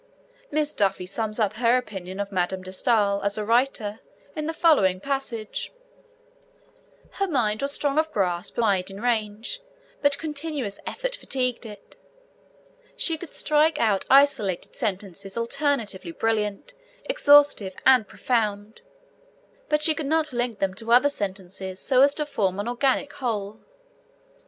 Miss Duffy sums up her opinion of Madame de Stael as a writer in the following passage: Her mind was strong of grasp and wide in range, but continuous effort fatigued it. She could strike out isolated sentences alternately brilliant, exhaustive, and profound, but she could not link them to other sentences so as to form an organic whole.